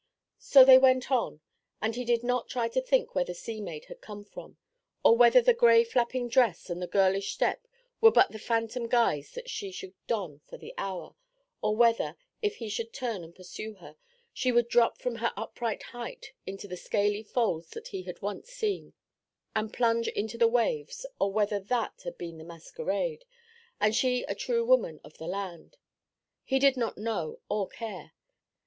So they went on, and he did not try to think where the sea maid had come from, or whether the gray flapping dress and the girlish step were but the phantom guise that she could don for the hour, or whether, if he should turn and pursue her, she would drop from her upright height into the scaly folds that he had once seen, and plunge into the waves, or whether that had been the masquerade, and she a true woman of the land. He did not know or care.